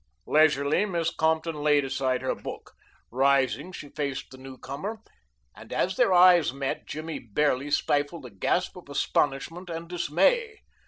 Leisurely Miss Compton laid aside her book. Rising, she faced the newcomer, and as their eyes met, Jimmy barely stifled a gasp of astonishment and dismay.